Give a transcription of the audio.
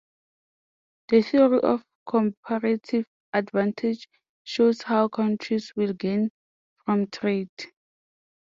The theory of comparative advantage shows how countries will gain from trade.